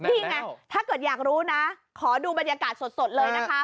นี่ไงถ้าเกิดอยากรู้นะขอดูบรรยากาศสดเลยนะคะ